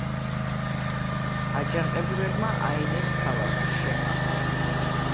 აჯანყებულებმა აიღეს ქალაქი შემახა.